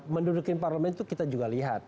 mendudukin parlemen itu kita juga lihat